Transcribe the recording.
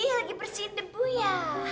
lagi bersihin debu ya